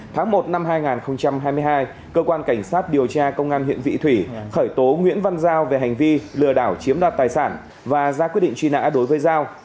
tháng một năm hai nghìn hai mươi hai cơ quan cảnh sát điều tra công an huyện vị thủy khởi tố nguyễn văn giao về hành vi lừa đảo chiếm đoạt tài sản và ra quyết định truy nã đối với giao